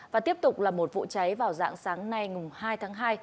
và tiếp tục là một vụ cháy vào dạng sáng nay hai tháng hai